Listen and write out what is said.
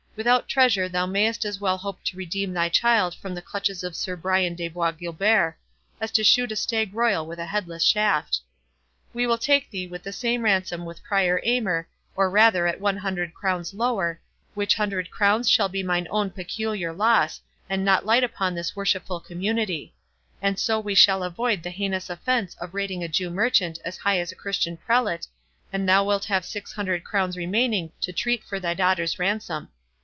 Without treasure thou mayst as well hope to redeem thy child from the clutches of Sir Brian de Bois Guilbert, as to shoot a stag royal with a headless shaft.—We will take thee at the same ransom with Prior Aymer, or rather at one hundred crowns lower, which hundred crowns shall be mine own peculiar loss, and not light upon this worshipful community; and so we shall avoid the heinous offence of rating a Jew merchant as high as a Christian prelate, and thou wilt have six hundred crowns remaining to treat for thy daughter's ransom.